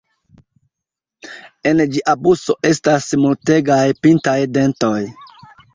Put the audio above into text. En ĝia buso estas multegaj pintaj dentoj.